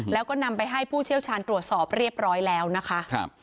แล้วก็นำไปให้ผู้เชี่ยวชาญตรวจสอบเรียบร้อยแล้วนะคะ